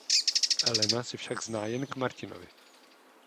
Elena se však zná jen k Martinovi.